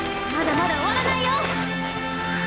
まだまだ終わらないよ！